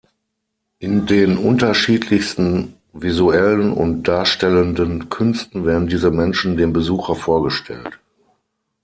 In den unterschiedlichsten visuellen und darstellenden Künsten werden diese Menschen dem Besucher vorgestellt.